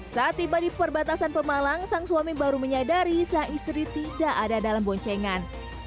saat tiba di perbatasan pemalang sang suami baru menyadari sang istri tidak ada dalam boncengan